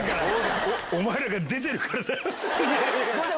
お前らが出てるからだよ。